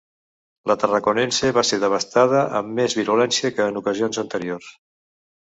La Tarraconense va ser devastada amb més virulència que en ocasions anteriors.